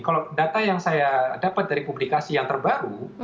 kalau data yang saya dapat dari publikasi yang terbaru